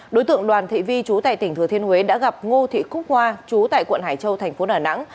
đối tượng đoàn thị vi chú tại tỉnh thừa thiên huế đã gặp ngô thị cúc hoa chú tại quận hải châu thành phố đà nẵng